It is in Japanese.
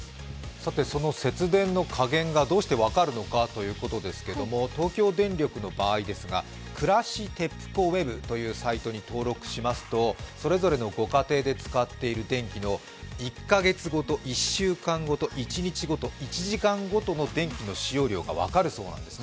さて、その節電の加減がどうして分かるのかですが、東京電力の場合ですが、くらしＴＥＰＣＯｗｅｂというサイトに登録しますとそれぞれのご家庭で使っている電気を１カ月ごと、１週間ごと１日ごと１時間ごとの電気の使用量が分かるそうです。